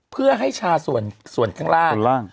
เพื่อให้ชาส่วนส่วนข้างล่างถูกต้อง